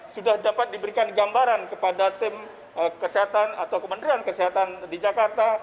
sudah dapat diberikan gambaran kepada tim kesehatan atau kementerian kesehatan di jakarta